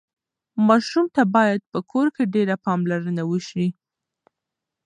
ماشوم ته باید په کور کې ډېره پاملرنه وشي.